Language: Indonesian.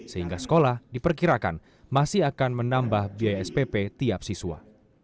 sehingga sekolah diperkirakan masih akan menambah biaya spp tiap siswa